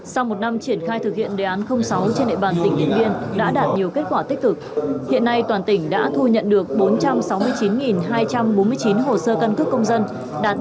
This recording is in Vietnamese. sau một năm triển khai thực hiện đề án sáu trên địa bàn tỉnh điện biên đã đạt nhiều kết quả tích cực